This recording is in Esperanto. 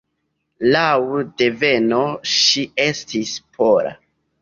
Laŭ deveno ŝi estis pola.